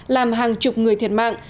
làm hàng chục người thiệt mạng